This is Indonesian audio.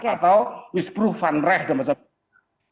atau misbruk van rech dalam bahasa prancis